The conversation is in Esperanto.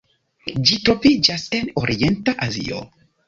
Ĝi troviĝas en Orienta Azio.